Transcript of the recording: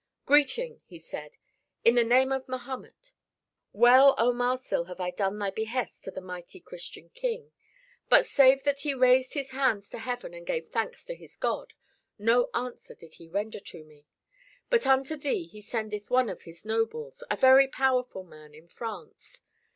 "Greeting," he said, "in the name of Mahomet. Well, O Marsil, have I done thy behest to the mighty Christian King. But save that he raised his hands to heaven and gave thanks to his God, no answer did he render to me. But unto thee he sendeth one of his nobles, a very powerful man in France.